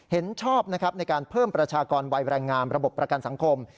เห็นชอบนะครับในการเพิ่มประชากรวัยแรงงามระบบประกันสังคม